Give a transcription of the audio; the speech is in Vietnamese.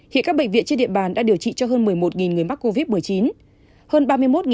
hiện các bệnh viện trên địa bàn đã điều trị cho hơn một mươi một người mắc covid một mươi chín